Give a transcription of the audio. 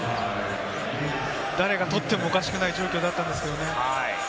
誰が取ってもおかしくない状況だったんですけれどもね。